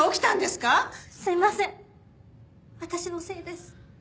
すいません私のせいです。